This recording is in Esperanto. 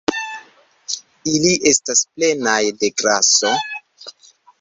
Ili estas plenaj de graso